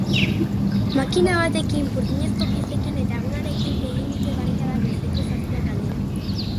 Makina batekin, burdinezko piezekin eta egurrarekin eign dute barrikada goizeko zazpiak aldera.